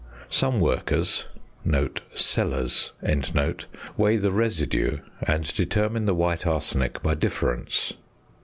Some workers (sellers) weigh the residue, and determine the white arsenic by difference.